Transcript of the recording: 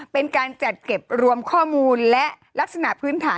เป็นการจัดเก็บรวมข้อมูลและ